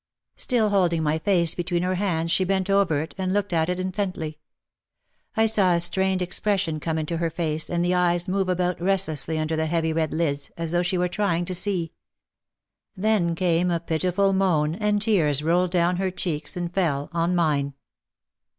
Still holding my face between her hands she bent over it and looked at it intently. I saw a strained expression come into her face and the eyes move about restlessly under the heavy red lids, as though she were trying to see. Then came a pitiful moan, and tears rolled down her cheeks and fell on mine.